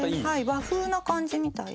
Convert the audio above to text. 和風な感じみたいで。